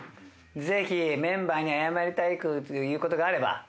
ぜひメンバーに謝りたいということがあれば。